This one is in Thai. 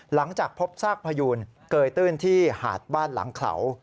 หลังจากพบซากพยูนเกยตื้นที่หาดบ้านหลังเขา